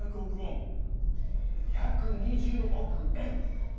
１２０億円！